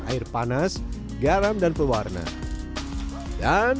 air panas garam dan pewarna dan